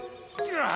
ああ！